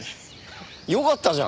よかったじゃん！